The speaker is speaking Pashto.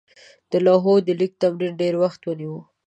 د لوحو د لیک تمرین ډېر وخت ونیوه.